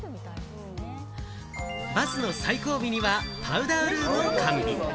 バスの最後尾にはパウダールームを完備。